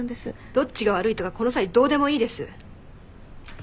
どっちが悪いとかこの際どうでもいいです。